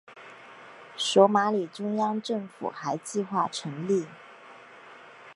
索马里中央政府还计划成立。